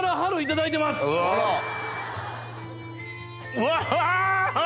うわ！